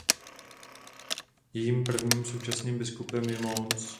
Jejím prvním a současným biskupem je Mons.